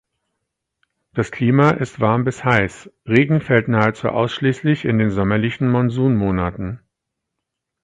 Das Klima ist warm bis heiß; Regen fällt nahezu ausschließlich in den sommerlichen Monsunmonaten.